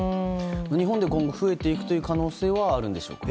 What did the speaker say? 日本で今後増えていく可能性はあるんでしょうか。